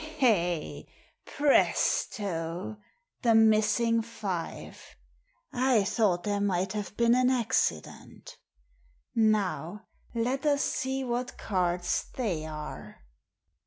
" Hey, presto— the missing five ! I thought there might have been an accident Now let us see what cards they are.